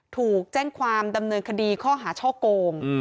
ถูกแจ้งความดำเนินคดีข้อหาช่อโกง